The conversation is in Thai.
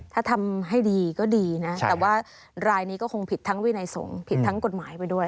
ถ้าทำให้ดีก็ดีนะแต่ว่ารายนี้ก็คงผิดทั้งวินัยสงฆ์ผิดทั้งกฎหมายไปด้วย